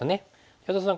安田さん